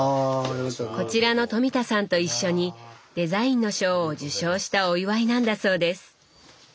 こちらの富田さんと一緒にデザインの賞を受賞したお祝いなんだそうです。